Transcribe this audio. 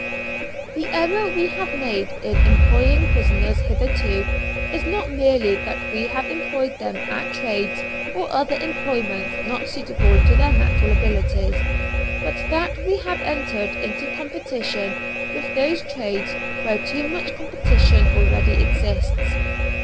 The error we have made in employing prisoners hitherto is not merely that we have employed them at trades or other employments not suitable to their natural abilities, but that we have entered into competition with those trades where too much competition already exists.